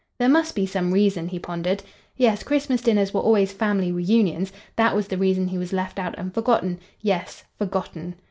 There must be some reason? he pondered. Yes, Christmas dinners were always family reunions—that was the reason he was left out and forgotten;—yes, forgotten.